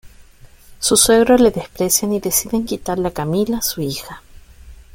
Sus suegros le desprecian y deciden quitarle a Camila, su hija.